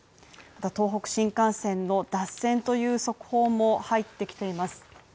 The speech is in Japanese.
また東北新幹線の脱線という速報も入ってきています。